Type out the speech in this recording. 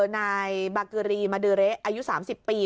นายบาเกอรีมาเดอเละอายุ๓๐ปี